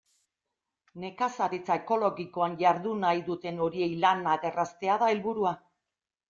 Nekazaritza ekologikoan jardun nahi duten horiei lanak erraztea da helburua.